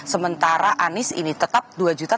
sementara anies ini tetap dua juta